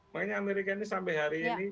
makanya amerika ini sampai hari ini